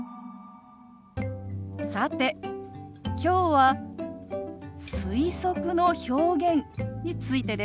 さてきょうは推測の表現についてです。